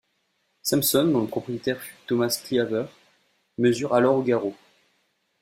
Sampson, dont le propriétaire fut Thomas Cleaver, mesure alors au garrot.